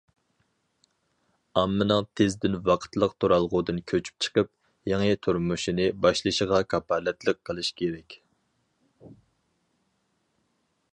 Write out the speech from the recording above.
ئاممىنىڭ تېزدىن ۋاقىتلىق تۇرالغۇدىن كۆچۈپ چىقىپ، يېڭى تۇرمۇشىنى باشلىشىغا كاپالەتلىك قىلىش كېرەك.